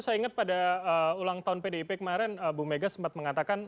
saya ingat pada ulang tahun pdip kemarin bu mega sempat mengatakan